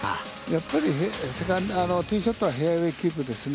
やっぱりティーショットはフェアウェイキープですね。